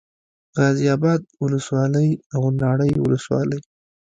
غازي اباد ولسوالي او ناړۍ ولسوالي